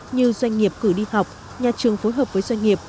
như doanh nghiệp cử đi học nhà trường phối hợp với doanh nghiệp